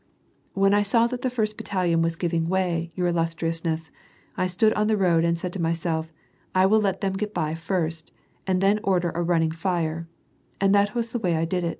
" When I saw that the first battalion was giving way, your illustriousness, I stood on the road and said to myself, < I will let them get by first, and then order a running fire,' and that was the way I did.''